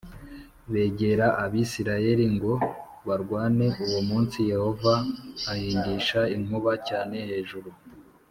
begera Abisirayeli ngo barwane Uwo munsi Yehova ahindisha inkuba cyane hejuru